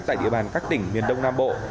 tại địa bàn các tỉnh miền đông nam bộ